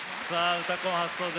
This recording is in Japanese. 「うたコン」初登場。